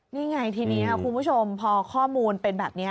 นี่ไงทีนี้คุณผู้ชมพอข้อมูลเป็นแบบนี้